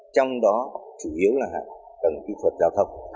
trong đó chủ yếu là hạ tầng kỹ thuật giao thông